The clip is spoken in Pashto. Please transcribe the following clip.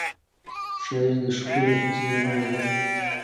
ښایست د ښکلي حس زېږنده ده